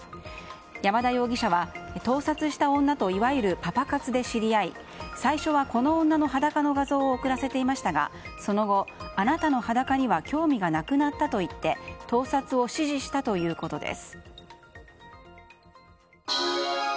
山田容疑者は盗撮した女といわゆるパパ活で知り合い最初はこの女の裸の画像を送らせていましたがその後、あなたの裸には興味がなくなったと言って盗撮を指示したということです。